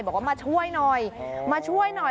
บอกว่ามาช่วยหน่อยมาช่วยหน่อย